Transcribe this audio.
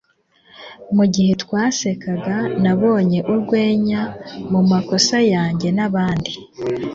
mugihe twasekaga nabonye urwenya mumakosa yanjye nabandi